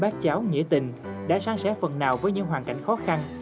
bác cháu nghĩa tình đã sang sẻ phần nào với những hoàn cảnh khó khăn